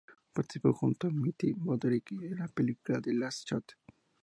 Participó junto a Matthew Broderick en la película "The Last Shot".